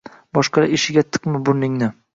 “Boshqalar ishiga tiqma burningni